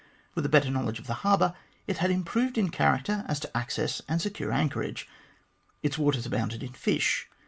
With a better knowledge of the harbour, it had improved in character as to access and secure anchorage. Its waters abounded in fish.